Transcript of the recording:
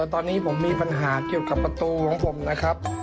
ตอนนี้ผมมีปัญหาเกี่ยวกับประตูของผมนะครับ